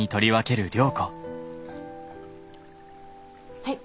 はい。